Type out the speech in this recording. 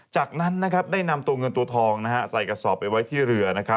จากนั้นได้นำตัวเงินตัวทองใส่กระสอบไปไว้ที่เรือ